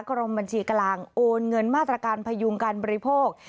กรมบัญชีกำลังโอนเงินมาตรการพยุงการบริโภค